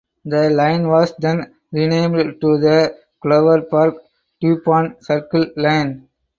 The line was then renamed to the Glover Park–Dupont Circle Line.